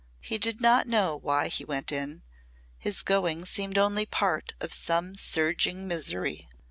He did not know why he went in; his going seemed only part of some surging misery.